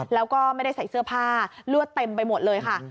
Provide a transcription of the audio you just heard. แล้วก็ไม่ได้ใส่เสื้อผ้าเลือดเต็มไปหมดเลยค่ะ